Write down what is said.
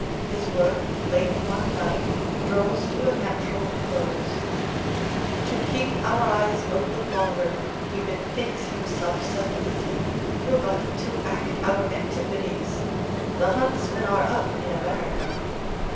His work, late one night, draws to a natural close: "To keep our eyes open longer," he bethinks himself suddenly, "were but to act our Antipodes. The huntsmen are up in America!"